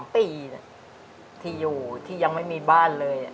๓ปีที่อยู่ที่ยังไม่มีบ้านเลย